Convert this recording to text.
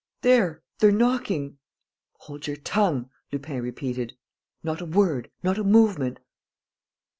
There, they're knocking." "Hold your tongue," Lupin repeated. "Not a word. Not a movement."